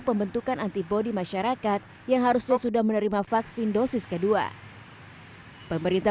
pembentukan antibody masyarakat yang harusnya sudah menerima vaksin dosis kedua pemerintah